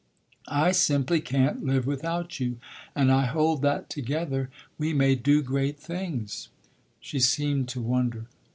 I simply can't live without you, and I hold that together we may do great things." She seemed to wonder.